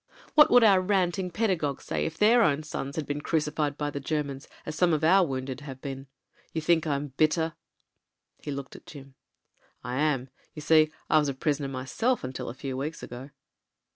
What would our ranting peda 296 MEN, WOMEN AND GUNS gogues say if their own sons had been crucified by the Germans as some of our wounded have been? You think I'm bitter?" He looked at Jim. "I am. You see, I was a prisoner myself until a few weeks ago."